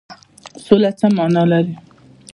سوله څه معنی لري؟